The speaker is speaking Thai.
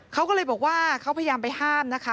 เขาก็เลยบอกว่าเขาพยายามไปห้ามนะคะ